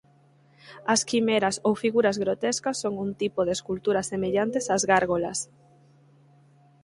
As quimeras ou figuras grotescas son un tipo de esculturas semellantes ás gárgolas.